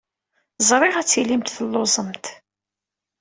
Ẓriɣ ad tilimt telluẓemt.